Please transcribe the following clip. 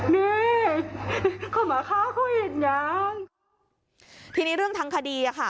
นี่เขามาฆ่าเขาอีกนะทีนี้เรื่องทางคดีอ่ะค่ะ